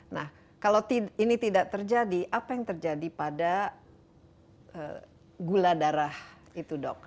nah kalau ini tidak terjadi apa yang terjadi pada gula darah itu dok